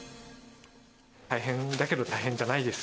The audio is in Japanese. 大変だけど大変じゃないです。